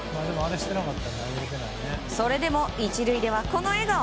それでも１塁では、この笑顔。